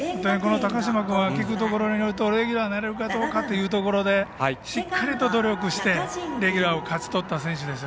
高嶋君は聞くところによるとレギュラーになれるかどうかというところで、しっかり努力をしてレギュラーを勝ち取った選手。